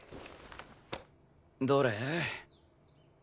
どれ？